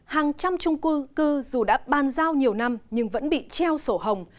hàng trăm trung cư dù đã ban giao nhiều năm nhưng vẫn bị treo sổ hồng